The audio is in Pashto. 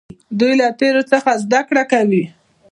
دوی له تیرو څخه زده کړه کوي.